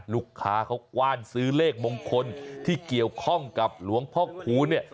ลูกค้าเขากว้านซื้อเลขมงคลที่เกี่ยวข้องกับหลวงพ่อคูณเนี่ย